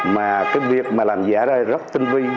mà cái việc mà làm giả ra rất tinh vi